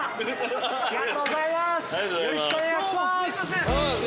ありがとうございます！